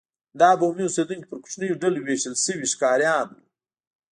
دا بومي اوسېدونکي پر کوچنیو ډلو وېشل شوي ښکاریان وو.